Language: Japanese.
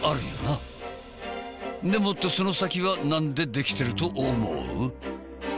んでもってその先は何でできてると思う？